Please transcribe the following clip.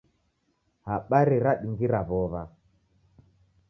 Habari radingira w'ow'a.